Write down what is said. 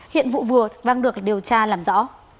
hiện vụ vừa vang được điều tra làm rõ